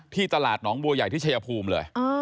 ตลาดหนองบัวใหญ่ที่ชายภูมิเลย